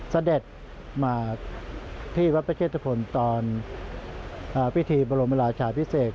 เสด็จมาที่วัดพระเชตุพลตอนพิธีบรมราชาพิเศษ